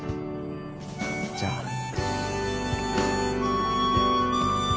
じゃあ。